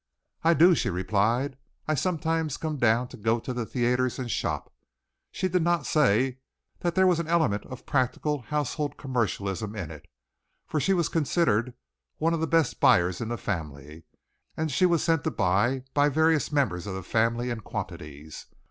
"I do," she replied. "I sometimes come down to go to the theatres and shop." She did not say that there was an element of practical household commercialism in it, for she was considered one of the best buyers in the family and that she was sent to buy by various members of the family in quantities.